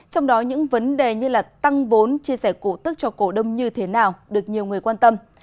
trong đó những vấn đề như tăng vốn chia sẻ cổ tức cho cổ đông như thế nào được nhiều người quan tâm